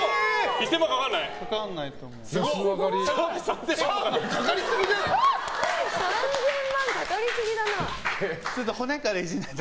１０００万かかんない？